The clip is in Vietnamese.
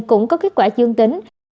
cũng có kết quả dương tính